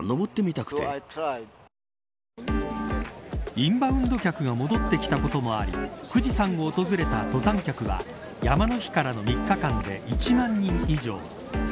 インバウンド客が戻ってきたこともあり富士山を訪れた登山客は山の日からの３日間で１万人以上。